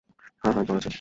হ্যাঁ, হ্যাঁ জ্বর আছে।